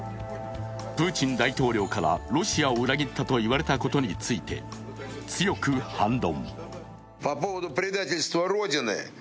プーチン大統領からロシアを裏切ったと言われたことについて、強く反論。